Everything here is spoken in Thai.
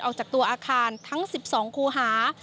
ออกจากตัวอาคารทั้ง๑๒คูหา